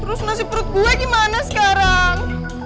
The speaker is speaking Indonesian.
terus nasib perut gue gimana sekarang